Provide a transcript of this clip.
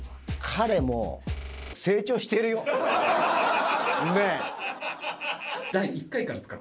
彼もう、成長してるよ。ねぇ。